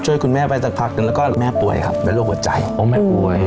ช่วยคุณแม่ไปสักพักหนึ่งแล้วก็แม่ป่วยครับเป็นโรคหัวใจเพราะแม่ป่วย